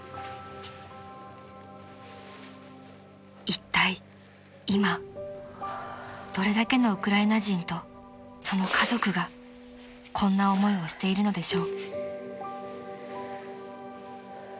［いったい今どれだけのウクライナ人とその家族がこんな思いをしているのでしょう］